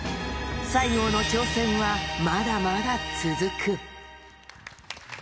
西郷の挑戦はまだまだ続く。